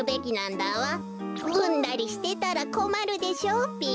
うんだりしてたらこまるでしょうべ。